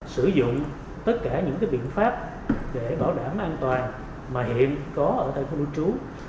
sử dụng tất cả những biện pháp để bảo đảm an toàn mà hiện có ở tại khu lưu trú